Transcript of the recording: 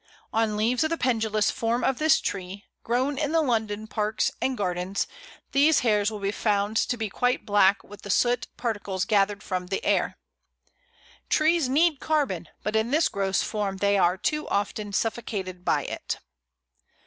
On leaves of the pendulous form of this tree, grown in the London parks and gardens, these hairs will be found to be quite black with the soot particles gathered from the air. Trees need carbon, but in this gross form they are too often suffocated by it.